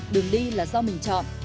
đừng đi là do mình chọn